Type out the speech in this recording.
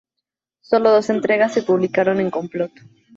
Sólo dos entregas se publicaron en "Complot!